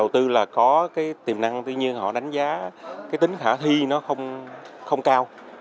tuy nhiên họ đánh giá tính khả thi không cao